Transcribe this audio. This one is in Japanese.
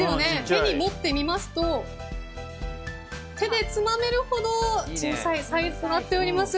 手に持ってみますと手でつまめるほど小さいサイズとなっております。